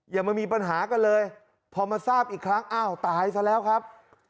อย่ามามีปัญหากันเลยพอมาทราบอีกครั้งอ้าวตายซะแล้วครับ